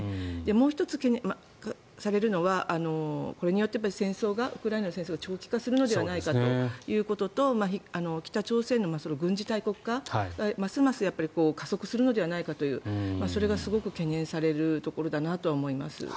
もう１つ懸念されるのはこれによってウクライナの戦争が長期化するのではないかということと北朝鮮の軍事大国化がますます加速するのではないかというそれがすごく懸念されるところだなと思います。